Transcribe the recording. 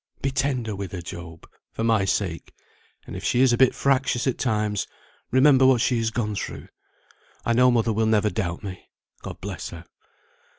Be tender with her, Job, for my sake; and if she is a bit fractious at times, remember what she has gone through. I know mother will never doubt me, God bless her.